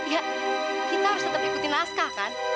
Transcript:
ya kita harus tetap ikuti naskah kan